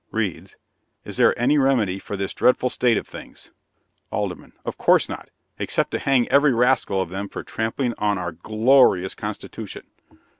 Reads: "'Is there any remedy for this dreadful state of things?'" ALDERMAN. "Of course not, except to hang every rascal of them for trampling on our g l orious Constitution."